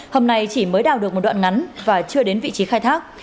hầm này chỉ mới đào được một đoạn ngắn và chưa đến vị trí khai thác